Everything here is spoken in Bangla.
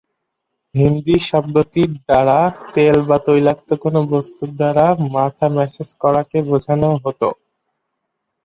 হিন্দি শব্দটির দ্বারা তেল বা তৈলাক্ত কোনো বস্তুর দ্বারা মাথা ম্যাসেজ করাকে বোঝানো হতো।